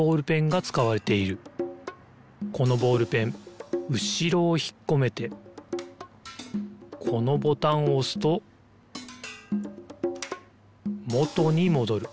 このボールペンうしろをひっこめてこのボタンをおすともとにもどる。